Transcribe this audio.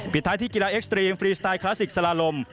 ท้ายที่กีฬาเอ็กซ์ตรีมฟรีสไตล์คลาสสิกสลาลม